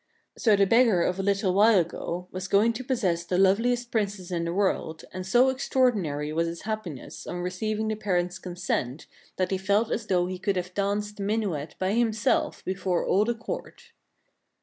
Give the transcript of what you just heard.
So the beggar of a little while ago was going to possess the loveliest Princess in the world, and so extraordinary was his happiness on receiving the par ents' consent that he felt as though he could have danced the minuet by himself before all the court.